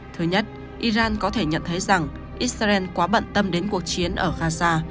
thứ nhất iran có thể nhận thấy rằng israel quá bận tâm đến cuộc chiến ở gaza